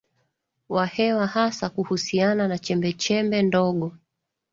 wa hewa hasa kuhusiana na chembechembe ndogo